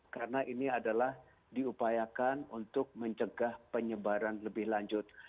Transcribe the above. karena ini adalah diupayakan untuk mencegah penyebaran lebih lanjut